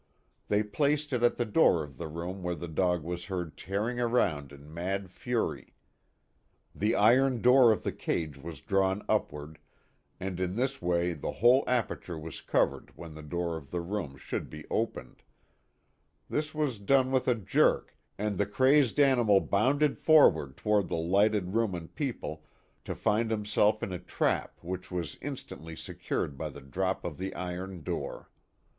They placed it at the door of the room where the dog was heard tearing around in mad fury. The iron door of the cage was drawn upward, and in this way the whole aperture was covered when the door of the room should be opened ; this was done with a jerk and the crazed animal bounded for ward toward the lighted room and peopje, to find himself in a trap which was instantly se cured by the drop of the iron door.